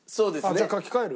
じゃあ書き換える？